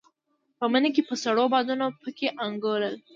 په مني کې به سړو بادونو په کې انګولل.